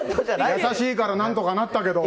優しいから何とかなったけど。